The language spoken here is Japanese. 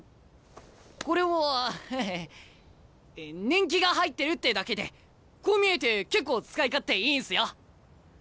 年季が入ってるってだけでこう見えて結構使い勝手いいんすよ！